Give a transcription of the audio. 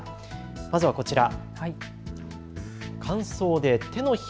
まずはこちら。